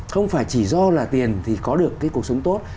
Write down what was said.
không phải chỉ do là tiền thì có được cái cuộc sống tốt